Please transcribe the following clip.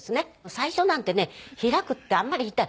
最初なんてね開くってあんまり痛い。